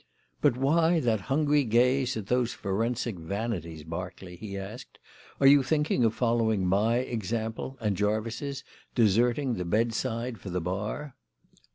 "But why that hungry gaze at those forensic vanities, Berkeley?" he asked. "Are you thinking of following my example and Jervis's deserting the bedside for the Bar?"